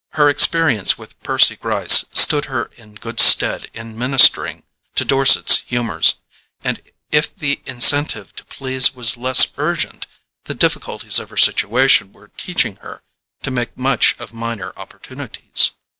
Her experience with Percy Gryce stood her in good stead in ministering to Dorset's humours, and if the incentive to please was less urgent, the difficulties of her situation were teaching her to make much of minor opportunities.